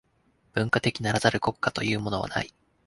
文化的ならざる国家というものはない。